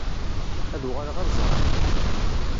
Ad uɣaleɣ ad ẓreɣ.